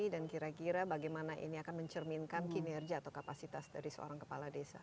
dan kira kira bagaimana ini akan mencerminkan kinerja atau kapasitas dari seorang kepala desa